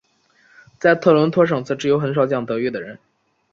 在特伦托省则只有很少讲德语的人。